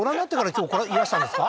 今日いらしたんですか？